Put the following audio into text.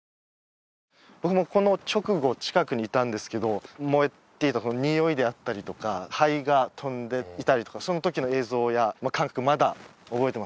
僕もこの直後近くにいたんですけど燃えていたにおいであったりとか灰が飛んでいたりとかそのときの映像や感覚